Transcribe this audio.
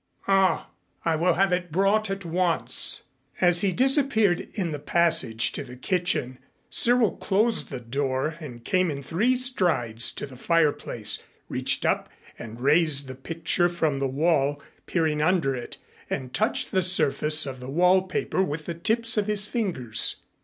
"Ah! I will have it brought at once." As he disappeared in the passage to the kitchen, Cyril closed the door and came in three strides to the fireplace, reached up and raised the picture from the wall, peering under it, and touched the surface of the wallpaper with the tips of his fingers.